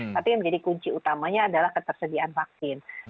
tapi yang menjadi kunci utamanya adalah ketersediaan vaksin